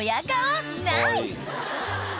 ［ナイス！］